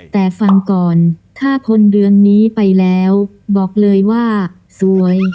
แต่ฟังก่อนถ้าพ้นเดือนนี้ไปแล้วบอกเลยว่าสวย